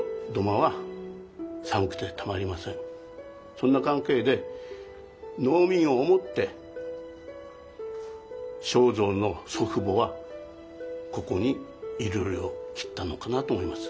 そんな関係で農民を思って正造の祖父母はここにいろりを切ったのかなと思います。